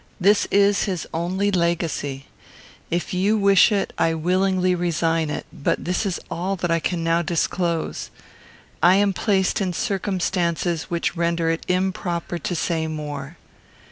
This is his only legacy. If you wish it I willingly resign it; but this is all that I can now disclose. I am placed in circumstances which render it improper to say more."